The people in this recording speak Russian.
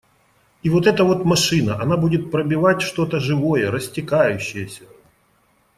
И вот эта вот машина, она будет пробивать что-то живое, растекающееся.